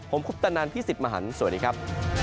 ผมคุปตะนันพี่สิทธิ์มหันฯสวัสดีครับ